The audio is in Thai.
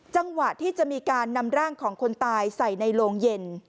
จังหวะที่จะมีการนำร่างของคนตายใส่ในโรงเย็น